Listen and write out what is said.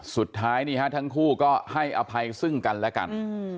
สุดท้ายนี่ฮะทั้งคู่ก็ให้อภัยซึ่งกันและกัน